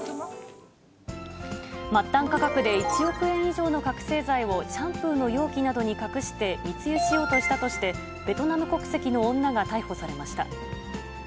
末端価格で１億円以上の覚醒剤をシャンプーの容器などに隠して密輸しようとしたとして、ベトナム国籍の女が逮捕されました。